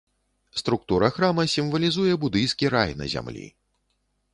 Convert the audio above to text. Структура храма сімвалізуе будыйскі рай на зямлі.